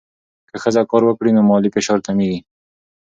که ښځه کار وکړي، نو مالي فشار کمېږي.